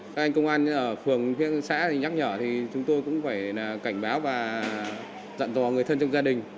các anh công an ở phường phía xã nhắc nhở thì chúng tôi cũng phải cảnh báo và dặn tòa người thân trong gia đình